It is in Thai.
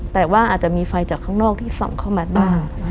แต่ว่าอาจจะมีไฟจากข้างนอกที่ฝั่งเข้ามาบ้าง